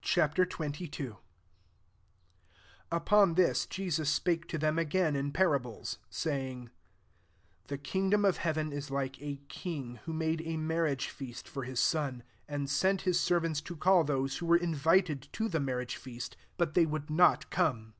Ch. XXII. 1 Upon this, Je sus spake to them again in parables, saying, S ^^ The kingdom of heaven is like a king, who made a marriage feast for his son ; 3 and sent his servants to call those who were invited to the marriage feast ; but they would not come.